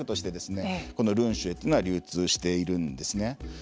ラングとして潤学というのは流通しているんですね。